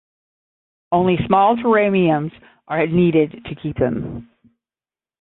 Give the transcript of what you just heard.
Only small terrariums are needed to keep them.